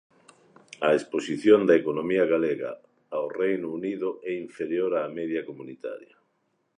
A exposición da economía galega ao Reino Unido é inferior á media comunitaria.